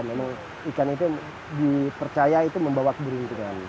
memang ikan itu dipercaya itu membawa keberuntungan